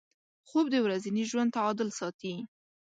خوب د ورځني ژوند تعادل ساتي